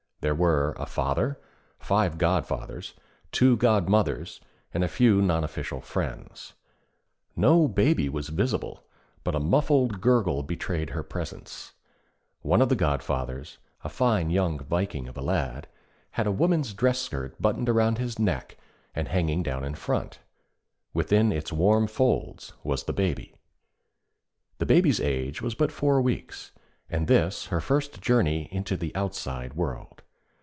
There were a father, five godfathers, two godmothers, and a few non official friends. No baby was visible, but a muffled gurgle betrayed her presence. One of the godfathers, a fine young Viking of a lad, had a woman's dress skirt buttoned around his neck and hanging down in front. Within its warm folds was the Baby. The Baby's age was but four weeks, and this her first journey into the outside world.